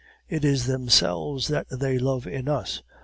It is themselves that they love in us!